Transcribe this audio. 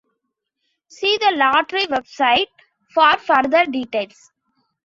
See the lottery website for further details.